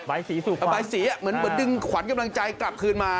อันไปศรีศุภาพธรรมะอันไปศรีอ๊ะเหมือนดึงขวัญกำลังใจกลับคืนมา